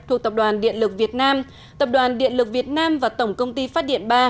thuộc tập đoàn điện lực việt nam tập đoàn điện lực việt nam và tổng công ty phát điện ba